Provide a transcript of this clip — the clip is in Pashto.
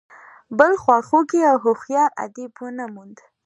بل خواخوږی او هوښیار ادیب ونه موند.